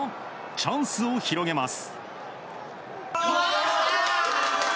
チャンスを広げます。